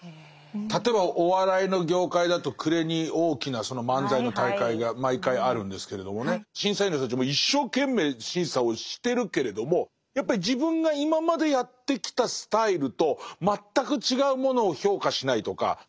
例えばお笑いの業界だと暮れに大きなその漫才の大会が毎回あるんですけれどもね審査員の人たちも一生懸命審査をしてるけれどもやっぱり自分が今までやってきたスタイルと全く違うものを評価しないとか。